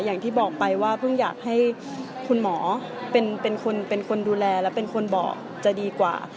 อย่างที่บอกไปว่าเพิ่งอยากให้คุณหมอเป็นคนดูแลและเป็นคนบอกจะดีกว่า